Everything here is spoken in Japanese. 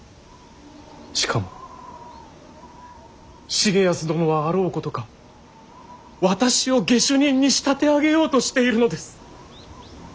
しかも重保殿はあろうことか私を下手人に仕立て上げようとしているのです。